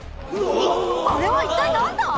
あれは一体何だ！？